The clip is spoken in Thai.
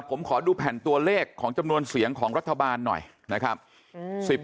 ผมขอดูแผ่นตัวเลขของจำนวนเสียงของรัฐบาลหน่อยนะครับ